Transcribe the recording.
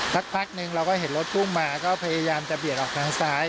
สักพักหนึ่งเราก็เห็นรถพุ่งมาก็พยายามจะเบียดออกทางซ้าย